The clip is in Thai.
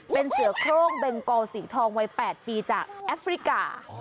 เป็นเสือโครงเบงกอสีทองวัย๘ปีจากแอฟริกา